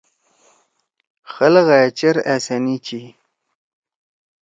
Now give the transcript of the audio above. خلقغائے چیر أسانی چھی۔